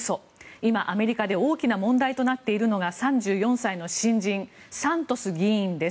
今、アメリカで大きな問題となっているのが３４歳の新人サントス議員です。